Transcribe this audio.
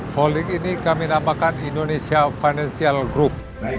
holding ini kami namakan indonesia financial group